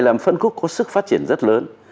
là một phân khúc có sức phát triển rất lớn